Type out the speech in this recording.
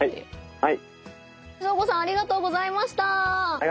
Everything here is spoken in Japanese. はい。